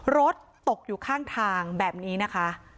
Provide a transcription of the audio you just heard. รถตกอยู่ข้างทางแบบนี้นะคะ